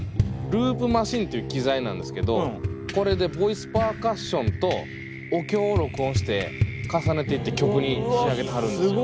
ループマシンっていう機材なんですけどこれでボイスパーカッションとお経を録音して重ねていって曲に仕上げてはるんですよ。